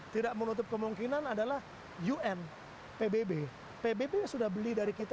tidak menutup kemungkinan adalah un pbb pbb sudah beli dari kita